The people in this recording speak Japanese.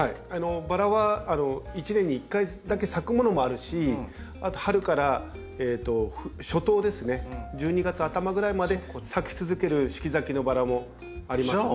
バラは一年に一回だけ咲くものもあるしあと春から初冬ですね１２月頭ぐらいまで咲き続ける四季咲きのバラもありますね。